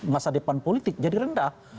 masa depan politik jadi rendah